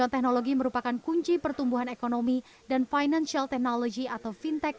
teknologi merupakan kunci pertumbuhan ekonomi dan financial technology atau fintech